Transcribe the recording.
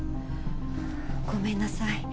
ごめんなさい。